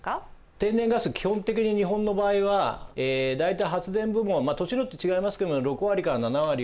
天然ガス基本的に日本の場合は大体発電部門は都市によって違いますけども６割から７割は発電に使う。